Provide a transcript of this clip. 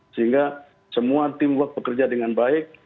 sehingga semua teamwork bekerja dengan baik